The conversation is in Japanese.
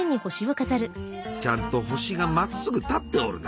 ちゃんと星がまっすぐ立っておるな。